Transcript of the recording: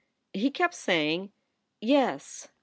He kept saying: "Yes. .